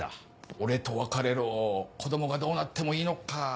「俺と別れろ子供がどうなってもいいのか」